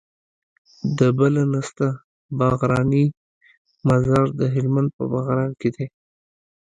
د بله نسته باغرانی مزار د هلمند په باغران کي دی